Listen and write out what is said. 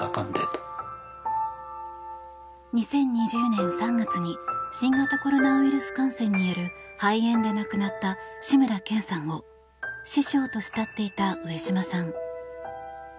２０２０年３月に新型コロナウイルス感染による肺炎で亡くなった志村けんさんを師匠と慕っていた上島さん。